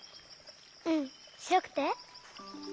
うんしろくて？